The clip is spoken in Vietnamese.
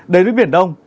đến với biển đông